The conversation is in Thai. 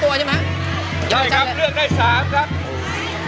เหลือ๔ตัวอย่าแล้วเลือกได้๓ครับ